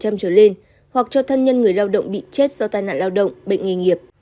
hoặc cho thân nhân người lao động bị chết do tai nạn lao động bệnh nghề nghiệp